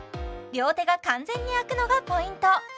両手が完全に空くのがポイント